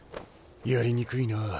やりにくいな。